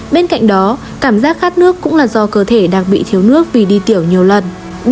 bên cạnh đó cảm giác khát nước cũng là do cơ thể đang bị thiếu nước vì đi tiểu nhiều lần